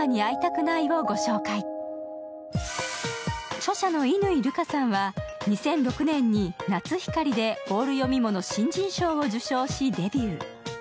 著者の乾ルカさんは２００６年に「夏光」でオール読物新人賞を受賞しデビュー。